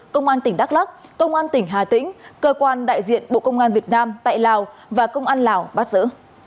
công an tp hcm công an tp hcm cơ quan đại diện bộ công an việt nam tại lào và công an lào bắt giữ